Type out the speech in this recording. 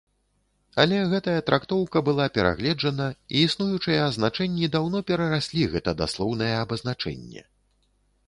Але гэтая трактоўка была перагледжана і існуючыя азначэнні даўно перараслі гэта даслоўнае абазначэнне.